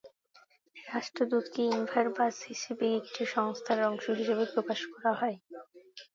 রাষ্ট্রদূতকে Invar Brass নামে একটি সংস্থার অংশ হিসেবে প্রকাশ করা হয়।